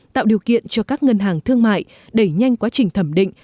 tạo điều kiện cho các ngân hàng thương mại đẩy nhanh quá trình thẩm định